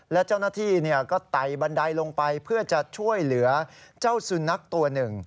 และเจ้าหน้าที่ก็ไต่บันไดลงไปเพื่อจะช่วยเหลือเจ้าสุนัขตัวหนึ่ง